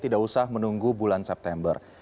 tidak usah menunggu bulan september